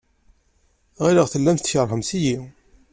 Ɣileɣ tellam tkeṛhem-iyi.